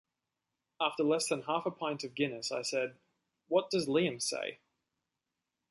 After less than half a pint of Guinness I said, 'What does Liam say?